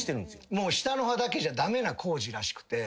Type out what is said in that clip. もう下の歯だけじゃ駄目な工事らしくて。